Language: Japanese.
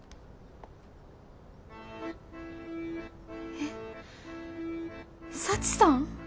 え幸さん！？